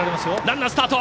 ランナー、スタート！